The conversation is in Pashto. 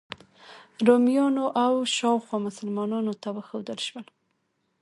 رومیانو او شاوخوا مسلمانانو ته وښودل شول.